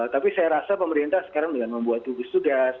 tapi saya rasa pemerintah sekarang dengan membuat gugus tugas